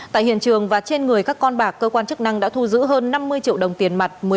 tại hiện trường và trên người các con bạc cơ quan chức năng đã thu giữ hơn năm mươi triệu đồng tiền mặt